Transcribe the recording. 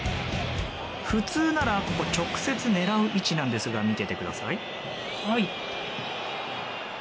普通なら直接狙う位置なんですが見ててください。